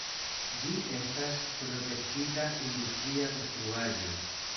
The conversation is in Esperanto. Ĝi estas protektita industria konstruaĵo.